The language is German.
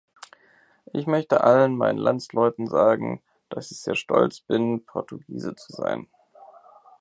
Ich möchte allen meinen Landsleuten sagen, dass ich sehr stolz bin, Portugiese zu sein.